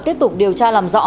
tiếp tục điều tra làm rõ